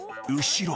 後ろ！